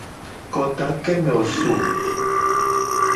Kota ke me wo so ?